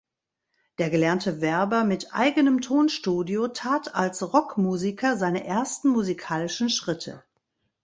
Der gelernte Werber mit eigenem Tonstudio tat als Rockmusiker seine ersten musikalischen Schritte.